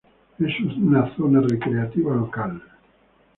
Es una zona recreativa local.